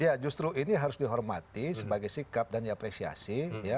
ya justru ini harus dihormati sebagai sikap dan diapresiasi